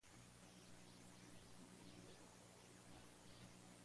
La torre tiene tres plantas con bóvedas de ladrillo.